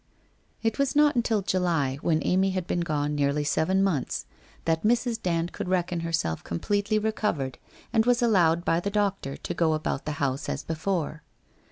It was not until July, when Amy had been gone nearly seven months, that Mrs. Dand could reckon herself com pletely recovered and was allowed by the doctor to go about the house as before.